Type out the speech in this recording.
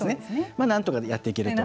まあなんとかやっていけると。